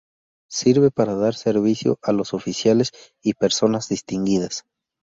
Sirve para dar servicio a los oficiales y personas distinguidas.